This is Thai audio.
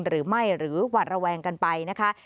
หรือไม่หรือหวัดระแวงกันไปนะคะ